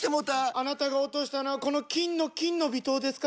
あなたが落としたのはこの金の「金の微糖」ですか？